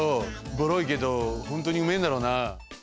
ボロいけどほんとうにうめえんだろな？